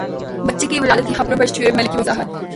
بچے کی ولادت کی خبروں پر شعیب ملک کی وضاحت